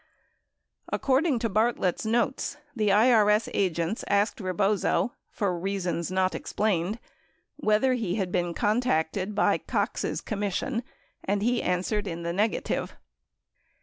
According to Bartlett's notes, the IRS agents asked Rebozo, for reasons not explained, whether he had been contacted by "Cox's commission" and he answered in the negative.